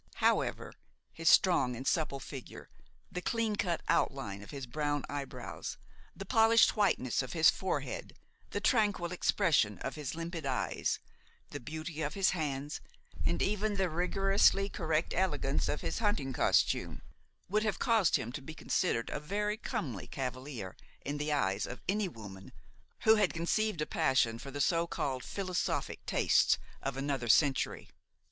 However, his strong and supple figue, the clean cut outline of his brown eyebrows, the polished whiteness of his forehead, the tranquil expression of his limpid eyes, the beauty of his hands, and even the rigorously correct elegance of his hunting costume, would have caused him to be considered a very comely cavalier in the eyes of any woman who had conceived a passion for the so called philosophic tastes of another century.